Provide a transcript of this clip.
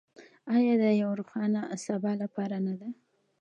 آیا د یو روښانه سبا لپاره نه ده؟